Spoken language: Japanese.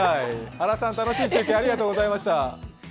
原さん、楽しい中継ありがとうございました。